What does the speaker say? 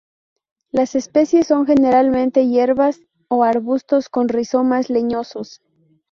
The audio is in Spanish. Las especies son generalmente hierbas o arbustos con rizomas leñosos.